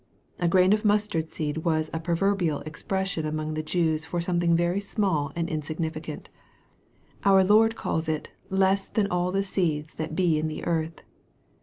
A grain of mustard seed was a proverbial expression among the Jews for something very small and insignifi 78 EXPOSITOR f THOUGHTS. cant. Our Lord calls it " less than all the seeds that be in the earth."